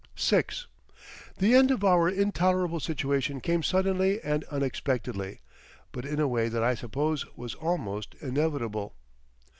VI The end of our intolerable situation came suddenly and unexpectedly, but in a way that I suppose was almost inevitable.